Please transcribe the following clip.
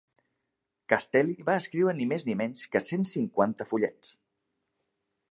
Castelli va escriure ni més ni menys que cent cinquanta fullets.